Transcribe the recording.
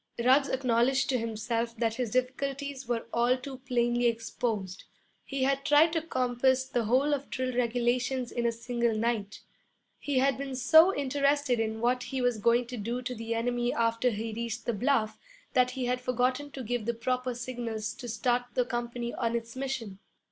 Ruggs acknowledged to himself that his difficulties were all too plainly exposed. He had tried to compass the whole of drill regulations in a single night. He had been so interested in what he was going to do to the enemy after he reached the bluff, that he had forgotten to give the proper signals to start the company on its mission.